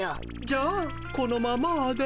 じゃあこのままで。